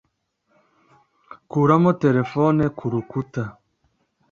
kuramo terefone kurukuta